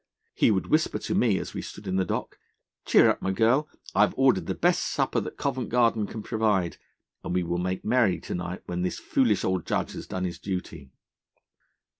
He would whisper to me, as we stood in the dock, "Cheer up, my girl. I have ordered the best supper that Covent Garden can provide, and we will make merry to night when this foolish old judge has done his duty."